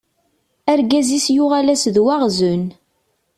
Argaz-is yuɣal-as d waɣzen.